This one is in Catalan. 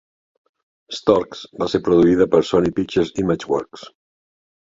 "Storks" va ser produïda per Sony Pictures Imageworks.